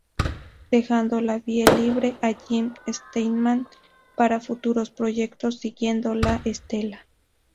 Dejando la vía libre a Jim Steinman para futuros proyectos siguiendo la estela.